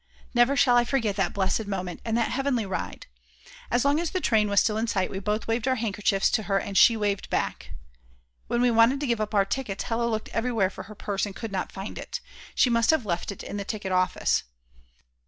_ Never shall I forget that blessed moment and that heavenly ride! As long as the train was still in sight we both waved our handkerchiefs to her and she waved back! When we wanted to give up our tickets Hella looked everywhere for her purse and could not find it; she must have left it in the ticket office.